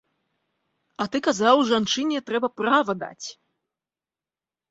А ты казаў жанчыне трэба права даць.